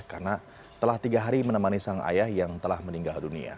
karena telah tiga hari menemani sang ayah yang telah meninggal dunia